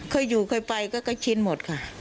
เคยอยู่เคยไปก็ชินหมดค่ะ